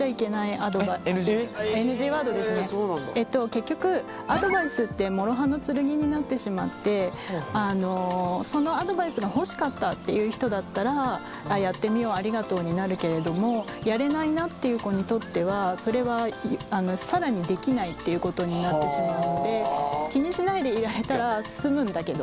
結局アドバイスって諸刃の剣になってしまってそのアドバイスが欲しかったっていう人だったらああやってみようありがとうになるけれどもやれないなっていう子にとってはそれは更にできないっていうことになってしまうので気にしないでいられたら済むんだけどねっていう。